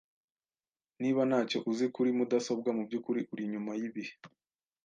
Niba ntacyo uzi kuri mudasobwa, mubyukuri uri inyuma yibihe.